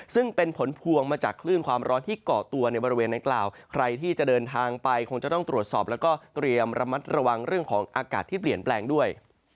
ซึ่งเป็นผลพวงมาจากคลื่นความร้อนที่เกาะตัวในบริเวณดังกล่าวใครที่จะเดินทางไปคงจะต้องตรวจสอบแล้วก็เตรียมระมัดระวังเรื่องของอากาศที่เปลี่ยนแปลงด้วย